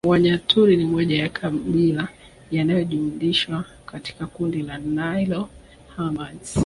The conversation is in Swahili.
Wanyaturu ni moja ya makabila yanayojumlishwa katika kundi la Nilo Hamites